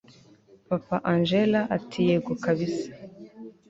papa angella ati yego kabsa